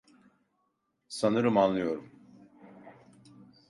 Sanırım anlıyorum.